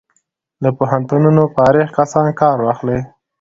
له پوهنتونونو فارغ کسان کار واخلي.